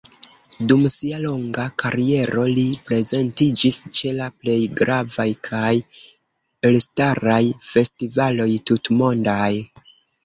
Dum sia longa kariero li prezentiĝis ĉe la plej gravaj kaj elstaraj festivaloj tutmondaj.